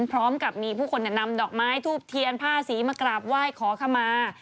พร้อมกับมีผู้คนนำดอกไม้ทูบเทียนผ้าสีมากราบไหว้ขอขมา